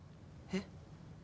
えっ？